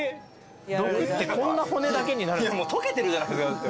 毒ってこんな骨だけになるんですか？